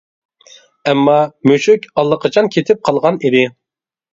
ئەمما مۈشۈك ئاللىقاچان كېتىپ قالغان ئىدى.